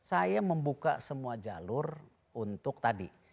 saya membuka semua jalur untuk tadi